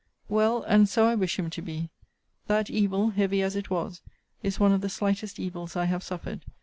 'Well, and so I wish him to be. That evil, heavy as it was, is one of the slightest evils I have suffered.